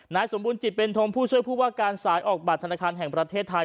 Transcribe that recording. นายสมบูรณจิตเป็นทงผู้ช่วยผู้ว่าการสายออกบัตรธนาคารแห่งประเทศไทย